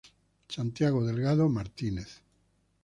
Santiago Delgado Martínez.